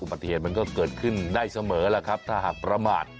ปฏิเหตุมันก็เกิดขึ้นได้เสมอแล้วครับถ้าหากประมาท